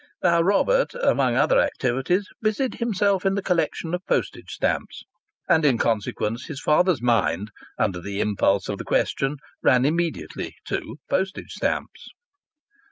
Now Robert, among other activities, busied himself in the collection of postage stamps, and in consequence his father's mind, under the impulse of the question, ran immediately to postage stamps.